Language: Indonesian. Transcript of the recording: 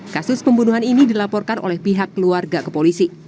kasus pembunuhan ini dilaporkan oleh pihak keluarga ke polisi